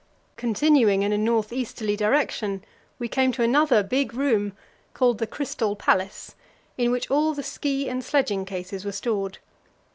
Continuing in a north easterly direction, we came to another big room, called the Crystal Palace, in which all the ski and sledging cases were stored.